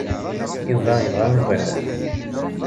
Yuba yebɣa igerdan.